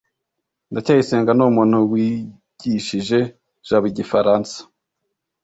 ndacyayisenga numuntu wigishije jabo igifaransa